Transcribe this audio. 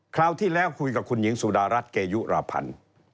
คราวที่แล้วคุยกับคุณหญิงสุดารัฐเกยุราพันธ์